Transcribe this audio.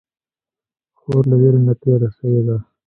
خور له ویرې نه تېره شوې ده.